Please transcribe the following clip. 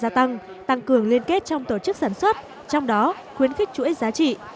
gia tăng tăng cường liên kết trong tổ chức sản xuất trong đó khuyến khích chuỗi giá trị